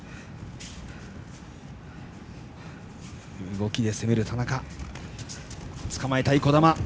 動きで攻める田中つかまえたい、児玉。